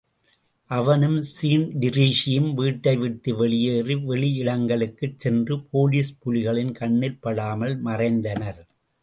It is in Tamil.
அவனும் ஸீன்டிரீஸியும் வீட்டைவிட்டு வெளியேறி வெளியிடங்களுக்குச் சென்று போலிஸ் புலிகளின் கண்ணில் படாமல் மறைந்தனர்.